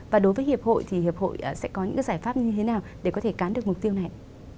và đối với hiệp hội thì hiệp hội sẽ có những giải pháp như thế nào để có thể cán được mục tiêu này